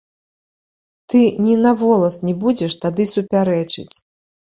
Ты ні на волас не будзеш тады супярэчыць.